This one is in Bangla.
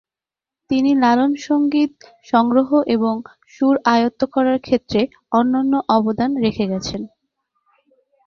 তিনি লালন সঙ্গীত সংগ্রহ এবং সুর আয়ত্ত করার ক্ষেত্রে অনন্য অবদান রেখে গেছেন।